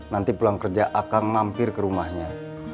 nanti pulang kerja akang mampir ke rumahnya